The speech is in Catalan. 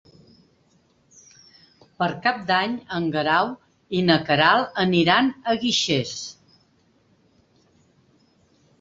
Per Cap d'Any en Guerau i na Queralt aniran a Guixers.